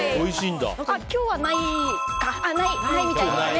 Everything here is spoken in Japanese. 今日はないみたいです。